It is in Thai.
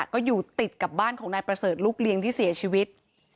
ก็อยู่ติดกับบ้านของนายประเสริฐลูกเลี้ยงที่เสียชีวิต